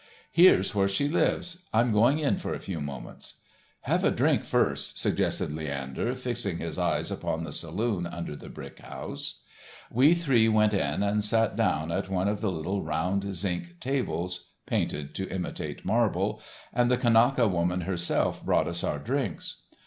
"Here's where she lives; I'm going up for a few moments." "Have a drink first," suggested Leander, fixing his eyes upon the saloon under the brick house. We three went in and sat down at one of the little round zinc tables—painted to imitate marble—and the Kanaka woman herself brought us our drinks.